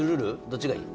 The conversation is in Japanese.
どっちがいい？